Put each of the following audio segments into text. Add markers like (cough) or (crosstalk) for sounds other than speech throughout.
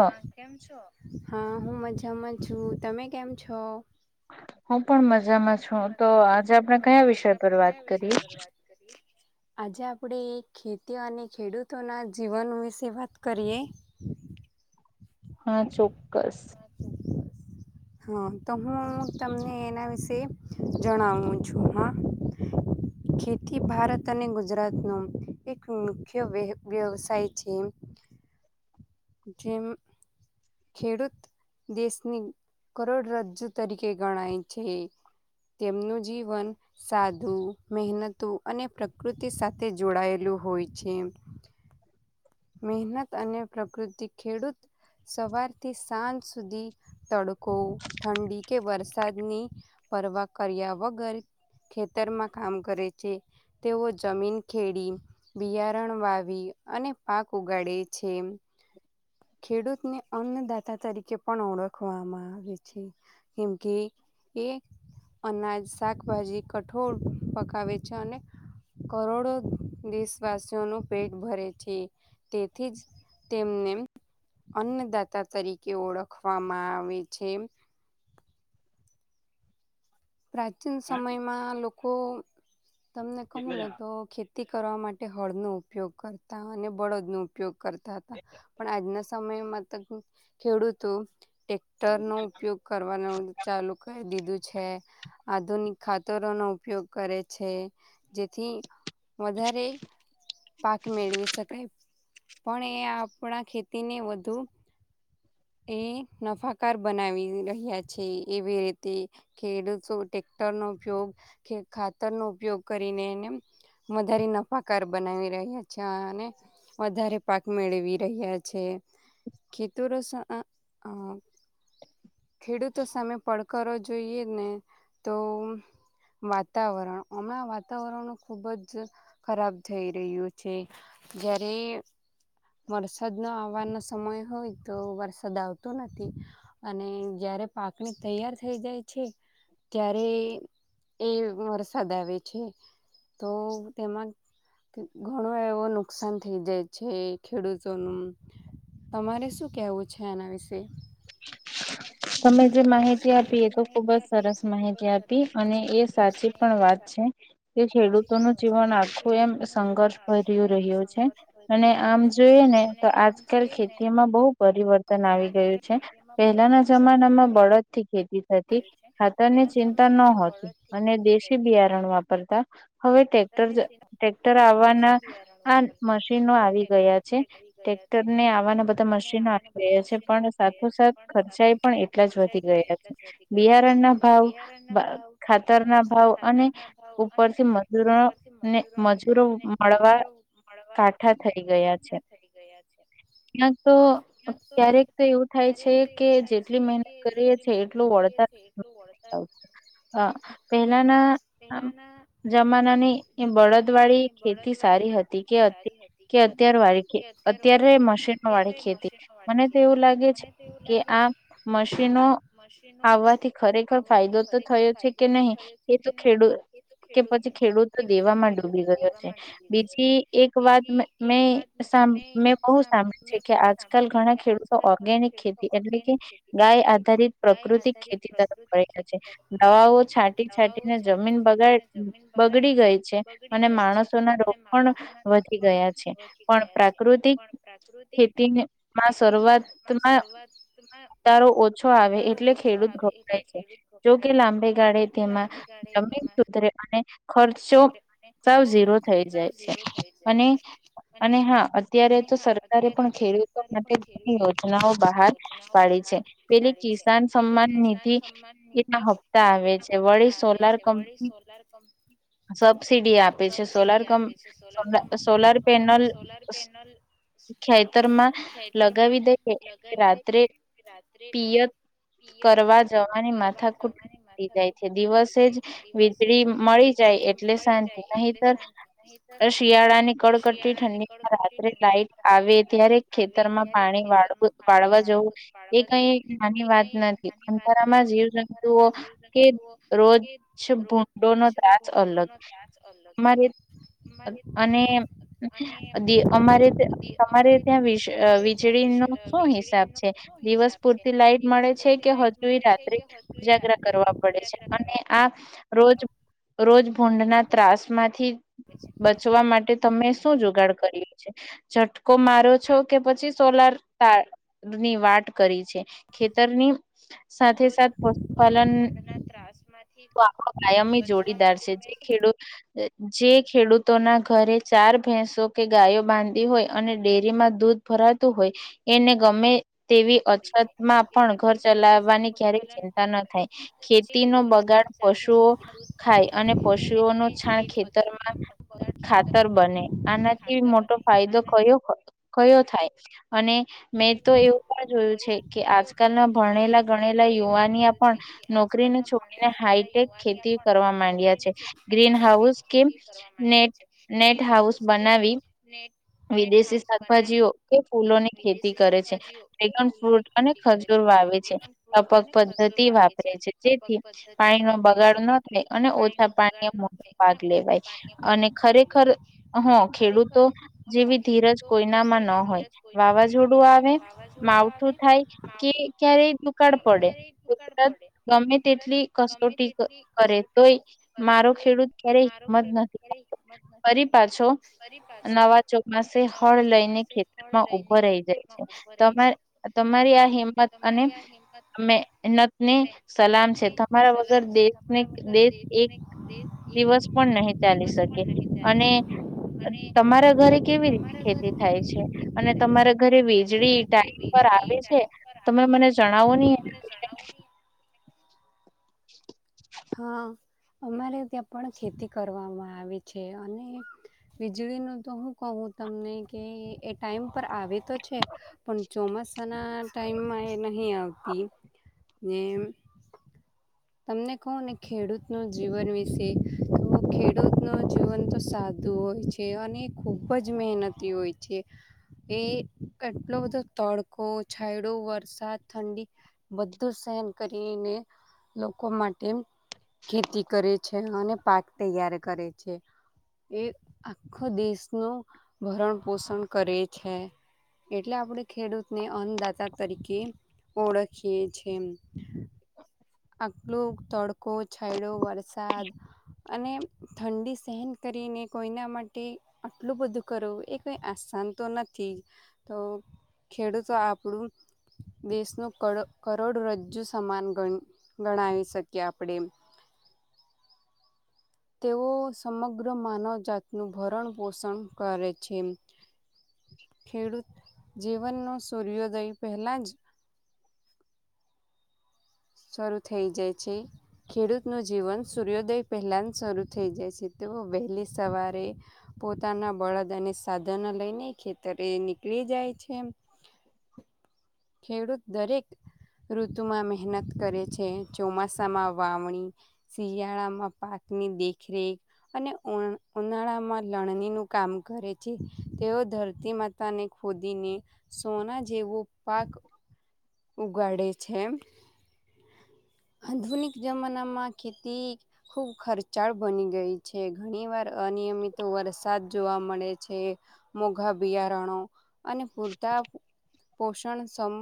હા કેમ છો હા હું મજામાં છું તમે કેમ છો હું હું પણ મજામાં છું તો આજે આપણે કયા વિષય પર વાત કરીએ આજે આપડે ખેતી અને ખેડૂતોના જીવન વિશે વાત કરીએ હા ચોક્કસ હા તો હું તમને એના વિશે જણાવું છું હા ખેતી ભારત અને ગુજરાતનો એક મુખ્ય વ વ્યવસાય છે જેમ ખેડૂત દેશની કરોડ રાજ્ય તરીકે ગણાય છે તેમનું જીવન સાધું મહેનતું અને પ્રકૃતિ સાથે જોડાયેલું હોય છે મહેનત અને પ્રકૃ ખેડૂત સવારથી સાંજ સુધી તડકો ઠંડી કે વરસાદની પરવા કર્યા વગર ખેતરમાં કામ કરે છે તેઓ જમીન ખેડી બિયારણ વાવી અને પાક ઉગાડે છે ખેડૂતને અન્નદાતા તરીકે પણ ઓળખવામાં આવે છે કેમ કે એ અનાજ શાકભાજી કઠોળ પકાવે છે અને કરોડો દેશવાસીઓનું પેટ ભરે છે તેથી જ તેમને અન્નદાતા તરીકે ઓળખવામાં આવે છે પ્રાચીન સમયમાં લોકો તમને કહું ને તો ખેતી ખેતી કરવા માટે હળનો ઉપયોગ કરતા અને બળદનોો ઉપયોગ કરતા હતા પણ આજના સમયમાં તો ખેડૂતો ટેક્ટર નો ઉપયોગ કરવાનું ચાલુ કરી દીધું છે આધુનિક ખાતરોનોો ઉપયોગ કરે છે જેથી વધારે પાક મેળવી શકાય પણ એ આપણા ખેતીને વધુ એ નફાકાર બનાવી રહ્યા છે એવી રીતે ખેડૂત ટેક્ટરનોો ઉપયોગ ખાતરનો ઉપયોગ કરીને એને વધારે નફાકાર બનાવી રહ્યા છે અને વધારે પાક મેળવી રહ્યા છે ખેતૂરો ખેડૂતો સામે પડકારો જોઈએ ને તો વાતાવરણ હમણાં વાતાવરણ ખુબ જ ખરાબ થઈ રહ્યું છે જારે વરસાદ ન આવવાનો સમય હોય તો વરસાદ આવતો નથી અને જય્યારે પાકને તૈયાર થઈ જાય છે ત્યારે એ વરસાદ આવે છે તો તેમાં ઘણો એવો નુકસાન થઈ જાય છે ખેડૂતોનું તમારે શું કેવું છે થેના વિશે તમે જે માહિતી આપી એ તો ખુબ જ સરસ માહિતી આપી અને એ સાચી પણ વાત છે કે ખેડૂતોનું જીવન આખું એમ સંઘર્ષ ભર્યું રહ્યું છે અને આમ જોઈએ ને તો આજકાલ ખેતીમાં બહુ પરિવર્તન આવી ગ પહેલાના જમાનામાં થી ખેતી થતી ખાતરની ચિંતા ન હોતી અને દેશી બિયારણ વાપરતા હવે ટ્રેક્ટર ટ્રેક્ટર આવવાના આ મશીનો આવી ગયા છે ટ્રેક્ટર ને આવવાના બધા મશીનો આવી ગયા છે પણ સાથોસાથ ખર્ચાએ પણ એટલે ખર્ચાએ પણ એટલા જ વધી ગયા છે બિયારણના ભાવ ખાતરના ભાવ અને ઉપરથી મજૂરોને મજૂરો મળવા કાઠાં થઈ ગયા છે તો તો એવું થાય છે કે જેટલી મહેનત જેટલી મહેનત કરીએ એટલું વળ પહેલાના જમાનાની બળદ વાળી ખેતી સારી હતી કે અત્યારે અત્યારે મશીનો વાળી એવું લાગે છે કે આ મશીનો આવવાથી ખરેખર ફાયદો તો થયો છે કે નહી એ તો ખેડૂત કે પછી ખેડૂતો દેવામાં ડૂબી ગયો છે બીજી એક વાત મેં મેં બહુ સાંભળી છે કે આજકાલ ઘણા ખેડૂત ઓર્ગેનિક ખેતી એટલે કે ગાય આધારિત પ્રાકૃતિક ખેતી તરફ વ્યા છે દવાઓ છાંટી છાંટીને જમીન બગાડ બગડી ગઈ છે અને માણસોના રોગ પણ વધી ગયા છે પણ પ્રાકૃતિક ખેતીમાં શરૂઆત શરૂઆતમાં ઓછો આવે એટલે ખેડૂત ગભરાય છે જોકે લાંબે ગાળે તેમાં જમીન સુધરે અને ખર્ચો સાવ ઝીરો થઈ જાય છે અને અને હા અત્યારે તો સરકારે પણ ખેડૂતો માટે ની યોજનાઓ બહાર પાડી છે પેલી કિસાન સન્માન નિધિ એ ના હપ્તા આવે છે વળી સોલાર કંપની સબસીડી આપે છે સોલાર ક સોલાર પેનલ ખેતરમાં લગાવી દઈએ રાત્રે પિયત કરવા જવાની માથા ખૂટ જાય છે દિવસે જ વીજળી મળી જાય એટલે શાંતિ નહીતર શિયાળાની કડકડતી ઠંડીમાં રાત્રે લાઈટ આવે ત્યારે ખેતરમાં પાણી વાળવ વાળવા જવું એક ક નાની વાત નથી અંધારામાં જીવ જંતુઓ કે રોજ ભૂડોનો ત્રાસ અલગ અરે અને અમારે અમારે ત્યાં વીજળ નો શું હિસાબ છે દિવસ પૂર લાઈટ મળે છે કે હજુ રાત્રે ઉજાગ્ર કરવા પડે છે અને આ રોજ રોજ ભુડના ત્રાસ માંથી બચવા માટે તમે શું જોગાડ કરી છે ચટ કો મારો છો કે પછી સોલાર તાર ની વાટ કરી છે ખેતરની સાથે સાથે પશુપાલન (unintelligible) કાયમ જોડીદાર છે જે ખેડૂત જે ખેડૂતોના ઘરે ચાર ભેંસો કે ગાયો બાંધી હોય અને ડેરીમાં દૂધ ભરા હોય એને ગમે તેવી અછતમાં પણ ઘર ચલાવવાની ક્યારેય ચિંતા ન થાય ખેતીનો બગાડ પશુઓ ખાય અને પશુઓ ન છાણ ખેતરમાં ખાતર બને આનાથી મોટો ફાયદો કયો હો કયો થાય (unintelligible) અને મેં તો એવું પણ જોયું છે કે આજકાલના ભણેલા ગણેલા યુવાનિયા પણ નોકરીને છોડીને હાઈટેક ખેતી કરવા માંડ્યા છે ગ્રીન હાઉસ કે નેટ નેટ હાઉસ બનાવી વિદેશી શાકભાજીઓ (unintelligible) ખેતી કરે છે ડ્રેગન ફ્રૂટ અને ખજૂર વાવે છે ટપક પદ્ધતિ વાપરે છે જેથી પાણીનો બગાડ ન થાય અને ઓછા પાણી એ મોટો ભાગ લેવાય અને ખરેખર હ ખેડૂતો જેવી ધીરજ કોયનામાં ન હોય વાવાઝોડું આવે માવઠું થાય કે ક્યારેય દુકાડ પડે કુદરત ગમે તેટલી કસોટી કરે તોય મારો ખેડૂત ક્યારેય હિંમત નથીતો ફરી પાછો નવા ચોમાસે હળ લઈને ખેતી (unintelligible) (inaudible) દિવસ પણ નહી ચાલી શકે અને તમારા ઘરે કેવી રીતે ખેતી થાય છે તમારા ઘરે વીજળી ટાઈમ પર આવે છે તમે મને જણાવો નહી (unintelligible) અમારે ત્યાં પણ ખેતી કરવામાં આવી છે અને વીજળીનું તો હું કહું તમને કે એ ટાઈમ પર આવે તો છે પણ ચોમાસાના ટાઈમમાં એ નહી આવતી નેમ તમને ને ખેડૂત ન જીવન વિશે ખેડૂત ન જીવન તો સાદું હોય છે અને ખુબ જ મહેનતી હોય છે એ આટલો બધો તડકો છાયડો વરસાદ ઠંડી બધું સહન કરીને લોકો માટે ખેતી કરે છે અને પાક તૈયાર કરે છે એ આખો દેશનું ભરણ પોષણ કરે છે એટલે આપણે ખેડૂતને અન્નદાતા તરીકે ઓળખીએ છે એમ આટલોું તડકો છાયડો વરસાદ અને ઠંડી સહેન કરીને કોઈના માટે આટલું બધું કરવું એ કંઈ આસાન તો નથી જ તો ખેડૂતો આપણું દેશનું કરોડરજ્જુ સમાન ગણ ગણાવી શકીએ આપણેે તેઓ સમગ્ર માનવજાતનું ભરણ પોષણ કરે છે એમ ખેડૂત જીવનનો સૂર્યોદય પહેલા જ શરૂ થઈ જાય છે ખેડૂતનું જીવન સૂર્યોદય પહેલાં જ શરૂ થઈ જાય છે તેઓ વહેલી સવારે પોતાના બળદ અને સાધન લઈને ખેતરે નીકળી જાય છે એમ ખેડૂત દરેક ઋતુમાં અમેં મહેનત કરે છે ચોમાસામાં વાવણી શિયાળામાં પાકની દેખરેખ અને ઉનાળામાં લણણીનુ કામ કરે છે તેઓ ધરતી માતાને ખોદીને સોના જેવો પાક ઉગાડે છે આધુનિક જમાનામાં ખેતી ખુબ ખર્ચાળ બની ગઈ છે ઘણી વાર અનિયમિત વરસાદ જોવા મળે છે મોઘા બિયારણો અને પૂરતા પોષણ સમ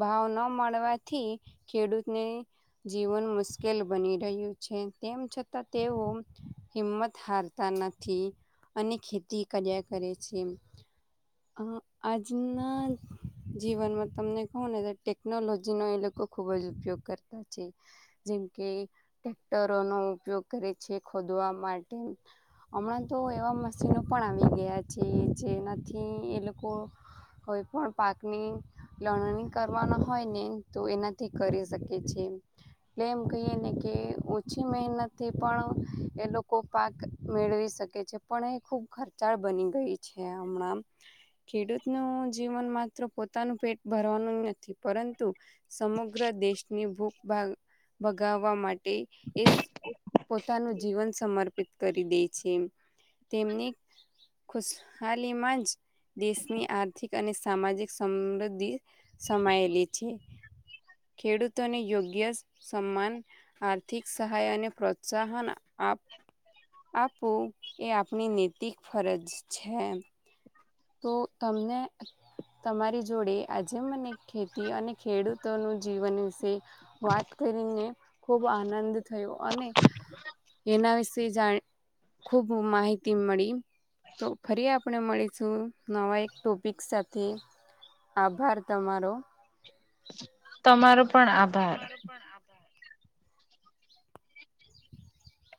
ભાવ ન મળવાથી ખેડૂતને જીવન મુશ્કેલ બની રહ્યું છે તેમ છતાં તેઓ હિંમત હારતા નથી અને ખેતી કર્યા કરે છે આજના જીવનમાં તમને હ ને તો ટેકનોલોજીનો એ લોકો ખુબ જ ઉપયોગ કરતા છે જેમકે ટ્રેક્ટરોનો ઉપયોગ કરે છે ખોદવા માટે હમણાં તો એવા મશીનો પણ આવી ગયા છે જેનાથી એ લોકો કોઈ પણ પાકની લણણી કરવોનો હોય ને તો એનાથી કરી શકે છે એટલે એમ કહીએને કે ઓછી મહેનતથી પણ એ લોકો પાક મેળવી શકે છે પણ એ ખુબ ખર્ચાળ બની ગઈ છે હમણાં ખેડૂત ન જીવન માત્ર પોતાનું પેટ ભરવાનું પરંતુ સમુગ્ર દેશની ભૂખ ભાગ ભગાવવા માટે એ પોતાનું જીવન સમર્પિત કરી દે છે તેમની ખુશહાલી માં જ દેશની આર્થિક અને સામાજિક સમૃદ્ધિ સમાયેલી છે ખેડૂતોને યોગ્ય સમાન આર્થિક સહાય અને પ્રોત્સાહન આપ આપવું એ આપણી નૈતિક ફરજ છે તો તમને તમારી જોડે આજે મને ખેતી અને ખેડૂતોનું જીવન વિશે વાત કરીને ખૂબ આનંદ થયો અને એના વિશે જાણ ખૂબ માહિતી મળી તો ફરી આપણે મળી શું નવા એક ટોપિક સાથે આભાર તમારો તમારો પણ આભાર